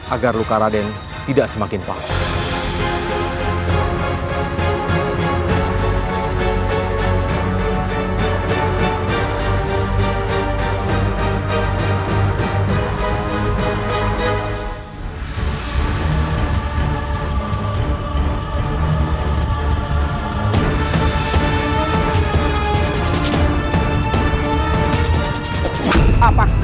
agar luka raden tidak semakin paham